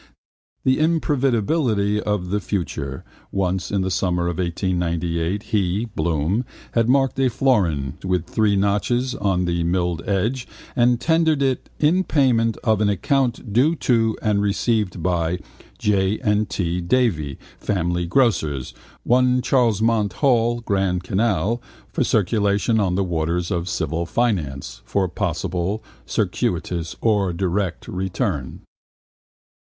The imprevidibility of the future: once in the summer of 1898 he (Bloom) had marked a florin (2/ ) with three notches on the milled edge and tendered it in payment of an account due to and received by J. and T. Davy, family grocers, 1 Charlemont Mall, Grand Canal, for circulation on the waters of civic finance, for possible, circuitous or direct, return.